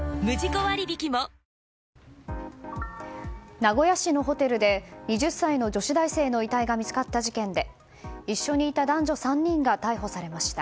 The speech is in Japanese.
名古屋市のホテルで２０歳の女子大生の遺体が見つかった事件で一緒にいた男女３人が逮捕されました。